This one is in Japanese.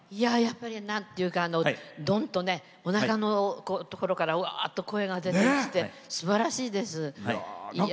なんというか、どんとねおなかのところからうわーっと声が出てきてすばらしいです。